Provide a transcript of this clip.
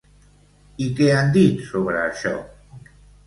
I què han dit sobre això?